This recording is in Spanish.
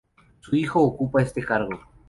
Su hijo ocupa ese cargo.